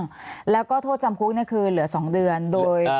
แล้วก็โทษจำคุกเนี่ยคือเหลือ๒เดือนโดย